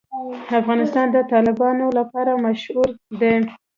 افغانستان د تالابونه لپاره مشهور دی.